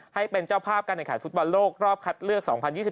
ให้เป็นเจ้าภาพการแข่งขันฟุตบอลโลกรอบคัดเลือก๒๐๒๒